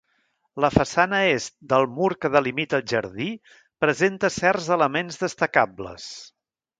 La façana est del mur que delimita el jardí presenta certs elements destacables.